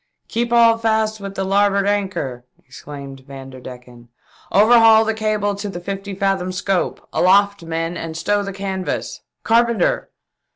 " Keep all fast with the larboard anchor !" exclaimed Vanderdecken. " Overhaul the cable to the fifty fathom scope. Aloft men and stow the canvas. Carpenter